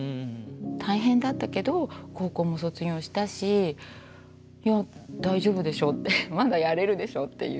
大変だったけど高校も卒業したしいやぁ大丈夫でしょってまだやれるでしょっていう。